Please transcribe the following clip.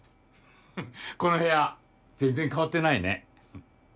この部屋全然変わってないね。